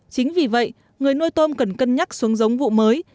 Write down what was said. chính vì vậy người nuôi tôm cần cân nhắc xuống giống vụ mới